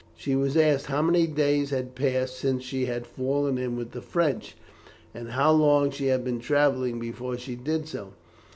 She was asked how many days had passed since she had fallen in with the French, and how long she had been travelling before she did so.